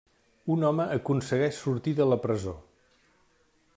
Un home aconsegueix sortir de la presó.